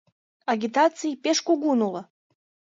Агитаций пеш кугун уло.